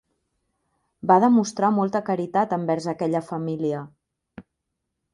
Va demostrar molta caritat envers aquella família.